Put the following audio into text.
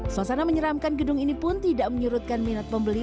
suasana menyeramkan gedung ini pun tidak menyurutkan minat pembeli